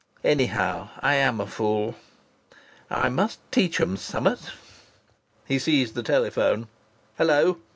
Anyhow, I am a fool.... I must teach 'em summat!" He seized the telephone. "Hello!"